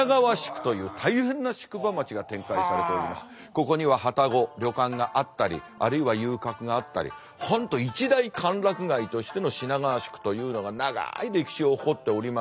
ここにははたご旅館があったりあるいは遊郭があったり本当一大歓楽街としての品川宿というのが長い歴史を誇っておりましたんで。